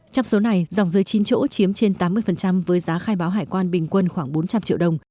trong số này dòng dưới chín chỗ chiếm trên tám mươi với giá khai báo hải quan bình quân khoảng bốn trăm linh triệu đồng